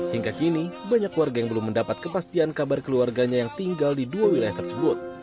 hingga kini banyak warga yang belum mendapat kepastian kabar keluarganya yang tinggal di dua wilayah tersebut